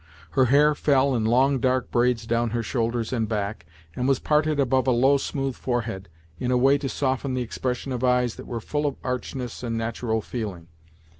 Her hair fell in long dark braids down her shoulders and back, and was parted above a low smooth forehead, in a way to soften the expression of eyes that were full of archness and natural feeling.